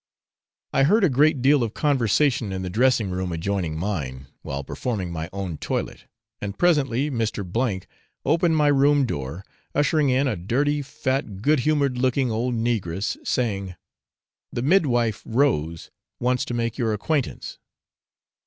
I heard a great deal of conversation in the dressing room adjoining mine, while performing my own toilet, and presently Mr. opened my room door, ushering in a dirty fat good humoured looking old negress, saying, 'The midwife, Rose, wants to make your acquaintance.'